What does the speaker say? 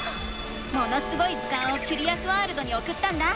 「ものすごい図鑑」をキュリアスワールドにおくったんだ。